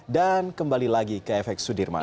dan kembali lagi ke fx sudirman